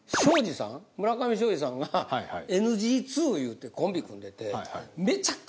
村上ショージさんがＮＧⅡいうてコンビ組んでて。